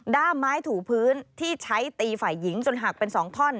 ้ามไม้ถูพื้นที่ใช้ตีฝ่ายหญิงจนหักเป็น๒ท่อน